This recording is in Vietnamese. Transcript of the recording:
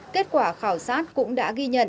kết quả khảo sát cũng đã ghi nhận